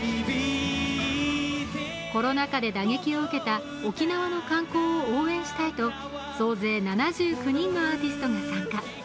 コロナ禍で打撃を受けた沖縄の観光を応援したいと総勢７９人のアーティストが参加。